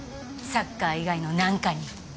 サッカー以外の何かに。